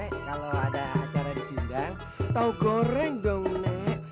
nek kalau ada acara di sindang tau goreng dong nek